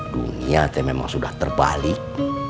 dunia memang sudah terbalik